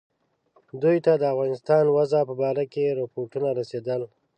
دوی ته د افغانستان وضع په باره کې رپوټونه رسېدل.